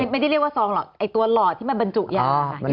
ไม่ได้เรียกว่าซองหรอกไอ้ตัวหลอดที่มันบรรจุยา